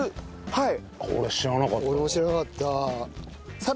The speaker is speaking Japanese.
はい。